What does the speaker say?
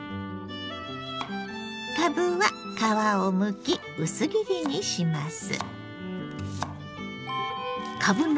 かぶは皮をむき薄切りにします。